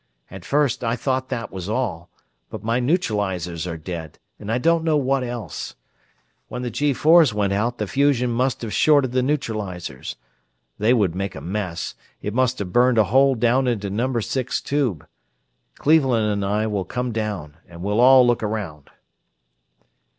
At first, I thought that was all, but my neutralizers are dead and I don't know what else. When the G 4's went out the fusion must have shorted the neutralizers. They would make a mess; it must have burned a hole down into number six tube. Cleveland and I will come down, and we'll all look around."